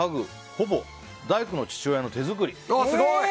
ほぼ大工の父親の手作り。